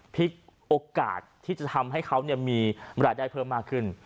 พลิกโอกาสที่จะทำให้เขามีรายได้เพิ่มมากขึ้น